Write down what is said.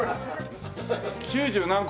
九十何個？